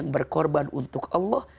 berkorban untuk allah